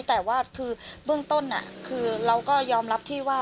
แต่ว่าคือเบื้องต้นคือเราก็ยอมรับที่ว่า